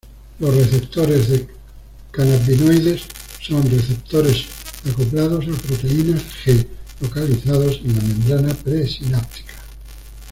Los receptores de cannabinoides son receptores acoplados a proteínas-G localizados en la membrana pre-sináptica.